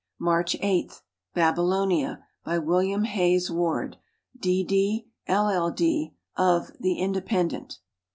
March 8. Babylonia, by William Hayes Wahd, D. D., LL. D., of The Independent.